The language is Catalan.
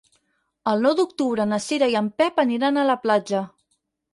El nou d'octubre na Cira i en Pep aniran a la platja.